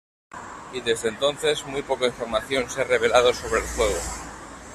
Y desde entonces muy poca información se ha revelado sobre el juego.